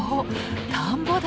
田んぼだ！